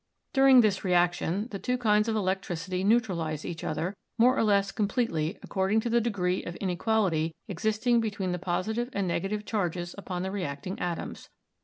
During this reaction the two kinds of electricity neutralize each other, more or less completely according to the degree of in equality existing between the positive and negative charges upon the reacting atoms.